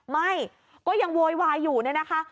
ไม่ก็ยังโวยวายอยู่เนี่ยนะคะ